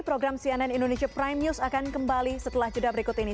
program cnn indonesia prime news akan kembali setelah jeda berikut ini